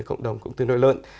ở cộng đồng cũng tương đối lớn